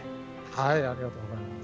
ありがとうございます。